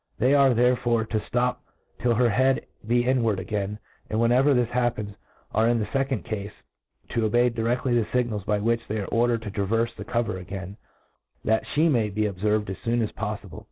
They are therefore to ftop till her head be inward again, and, whenever this happens, arc, in the fecond cafe, to obey direftly the fignals by which, they are ordered to traverfe the (iovet again, that flie may be ferved as foon aspDl^Tible.